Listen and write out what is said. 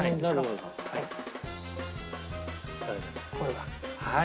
はい。